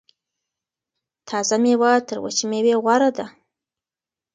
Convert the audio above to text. تازه میوه تر وچې میوې غوره ده.